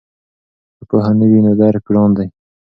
که پوهه نه وي نو درک ګران دی.